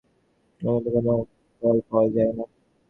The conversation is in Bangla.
কিন্তু এখানে এখন খোবানি ছাড়া অন্য কোন ফল পাওয়া যায় না।